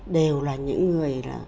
đều là những người